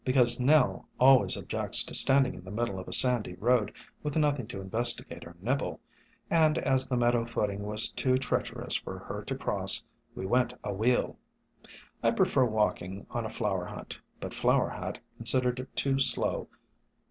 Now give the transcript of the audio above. Because Nell always objects to standing in the middle of a sandy road with nothing to investigate or nibble, and as the meadow footing was too treacherous for her to cross, we went a wheel. I prefer walking on a flower hunt, but Flower Hat considered it too slow.